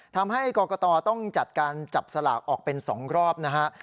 ทำให้กรกตต้องจัดการจับสลากออกเป็น๒รอบนะฮะ